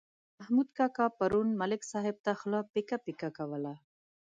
محمود کاکا پرون ملک صاحب ته خوله پیکه پیکه کوله.